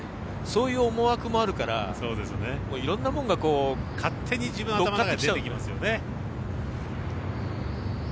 そういう思惑もあるからいろんなものが勝手に自分の頭の中に出てきますよね。